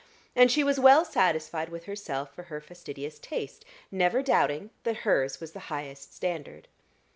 And she was well satisfied with herself for her fastidious taste, never doubting that hers was the highest standard.